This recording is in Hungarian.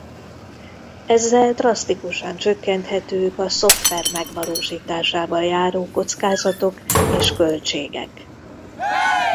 Ezzel drasztikusan csökkenthetők a szoftver megvalósításával járó kockázatok és költségek.